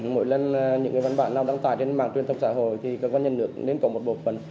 mỗi lần những văn bản nào đăng tài trên mạng truyền thông xã hội thì cơ quan nhà nước nên có một bộ phần